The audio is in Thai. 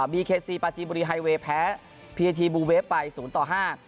บีเคสีพันธุ์จีบุรีไฮเวย์แพ้พีอะทีบูเว็กไปศูนย์ต่อห้าก